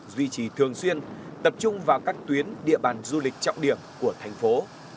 duy trì thường xuyên tập trung vào các tuyến địa bàn du lịch trọng điểm của thành phố